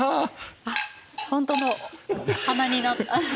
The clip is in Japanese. あっホントの「鼻」になった。